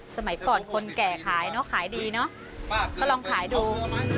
สมัยก่อนคนแก่ขายขายดีลองขายดู